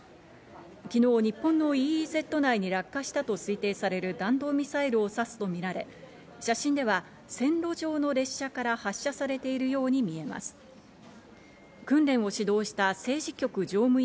昨日、日本のＥＥＺ内に落下したと推定される弾道ミサイルを指すとみられ、写真では線路上の列車から発射されているように見えます。